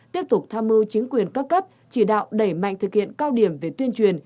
tiếp tục tham mưu chính quyền các cấp chỉ đạo đẩy mạnh thực hiện cao điểm về tuyên truyền